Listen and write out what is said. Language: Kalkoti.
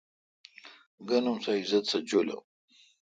گن اُم سہ عزت سہ جولہ۔